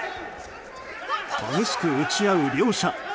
激しく打ち合う両者。